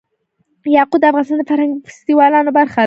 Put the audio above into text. یاقوت د افغانستان د فرهنګي فستیوالونو برخه ده.